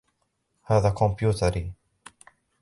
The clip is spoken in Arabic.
هذا كمبيوتري.